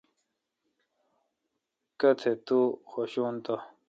کتہ تو خوشون تہ۔